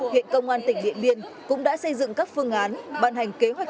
hiện công an tỉnh điện biên cũng đã xây dựng các phương án bàn hành kế hoạch